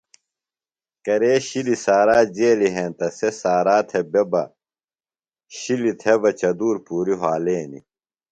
کرے شِلیۡ سارا جیلیۡ ہینتہ سےۡ سارا تھےۡ بےۡ بہ شِلیۡ تھےۡ بہ چدُور پُوری وھالینیۡ۔